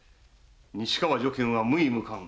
西川如見は無位無冠。